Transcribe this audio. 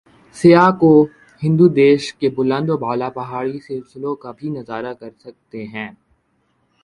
سیاح کو ہندودش کے بلند و بالا پہاڑی سلسوں کا بھی نظارہ کر سکتے ہیں ۔